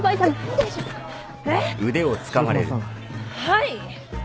はい。